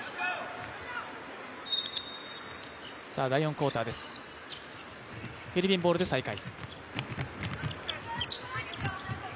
第４クオーターです、フィリピンボールで再開。